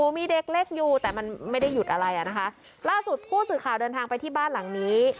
มีเด็กเล็กอยู่แต่มันไม่ได้หยุดอะไรอ่ะนะคะล่าสุดผู้สื่อข่าวเดินทางไปที่บ้านหลังนี้